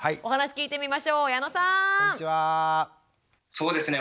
そうですね